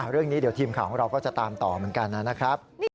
เรื่องนี้เดี๋ยวทีมข่าวของเราก็จะตามต่อเหมือนกันนะครับ